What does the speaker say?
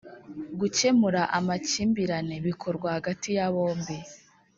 gukemura amakimbirane bikorwa hagati ya bombi